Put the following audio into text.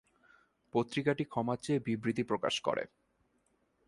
পত্রিকাটি পরে ক্ষমা চেয়ে বিবৃতি প্রকাশ করে।